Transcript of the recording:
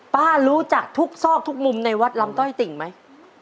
รู้จักทุกซอกทุกมุมในวัดลำต้อยติ่งไหม